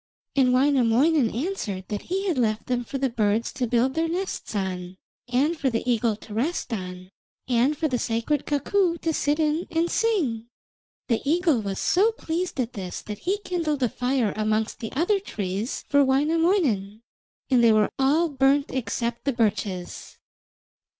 And Wainamoinen answered that he had left them for the birds to build their nests on, and for the eagle to rest on, and for the sacred cuckoo to sit in and sing. The eagle was so pleased at this that he kindled a fire amongst the other trees for Wainamoinen, and they were all burnt except the birches.